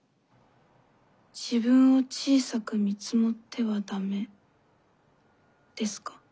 自分を小さく見積もってはダメですか。